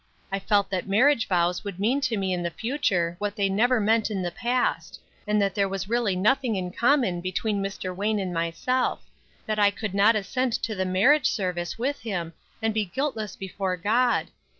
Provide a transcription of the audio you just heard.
I felt that marriage vows would mean to me in the future what they never meant in the past, and that there was really nothing in common between Mr. Wayne and myself; that I could not assent to the marriage service with him, and be guiltless before God.